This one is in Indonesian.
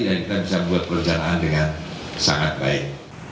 dan kita bisa membuat perencanaan dengan sangat baik